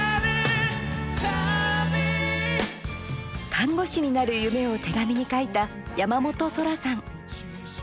看護師になる夢を手紙に書いた山本想良さん。